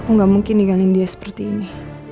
aku gak mungkin ninggalin dia seperti ini